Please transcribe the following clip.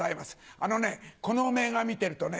「あのねこの名画見てるとね